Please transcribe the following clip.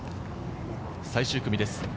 最終組です。